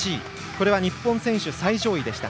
これは日本選手最上位でした。